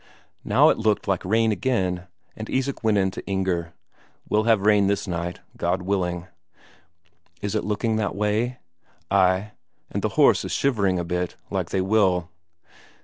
Now it looked like rain again, and Isak went in to Inger: "We'll have rain this night, God willing." "Is it looking that way?" "Ay. And the horse is shivering a bit, like they will."